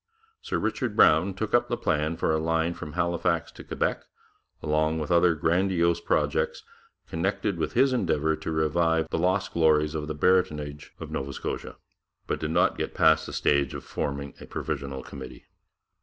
Sir Richard Broun took up the plan for a line from Halifax to Quebec, along with other grandiose projects connected with his endeavour to revive the lost glories of the baronetage of Nova Scotia, but did not get past the stage of forming a provisional committee.